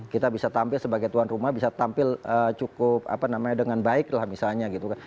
kita bisa tampil sebagai tuan rumah bisa tampil cukup apa namanya dengan baik lah misalnya gitu kan